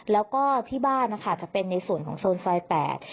แล้วก็ที่บ้านนะคะจะเป็นในส่วนของโซนซอยแปด